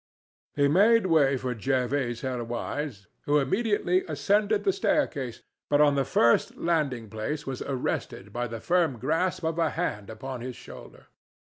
He made way for Jervase Helwyse, who immediately ascended the staircase, but on the first landing place was arrested by the firm grasp of a hand upon his shoulder.